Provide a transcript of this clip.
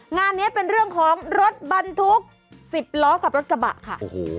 งานนี้เป็นเรื่องของรถบรรทุก๑๐ล้อขับรถจบะค่ะ